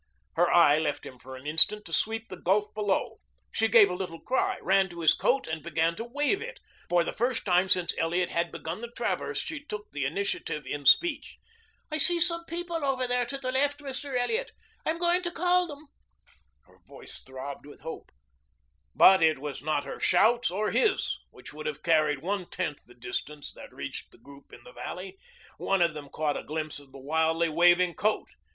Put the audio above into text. Her eye left him for an instant to sweep the gulf below. She gave a little cry, ran to his coat, and began to wave it. For the first time since Elliot had begun the traverse she took the initiative in speech. "I see some people away over to the left, Mr. Elliot. I'm going to call to them." Her voice throbbed with hope. But it was not her shouts or his, which would not have carried one tenth the distance, that reached the group in the valley. One of them caught a glimpse of the wildly waving coat.